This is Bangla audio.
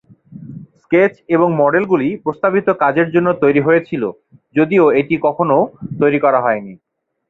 স্কেচ এবং মডেলগুলি প্রস্তাবিত কাজের জন্য তৈরি হয়েছিল, যদিও এটি কখনও তৈরি করা হয়নি।